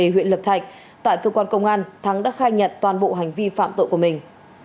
huyện lập thạch tại cơ quan công an thắng đã khai nhận toàn bộ hành vi phạm tội của mình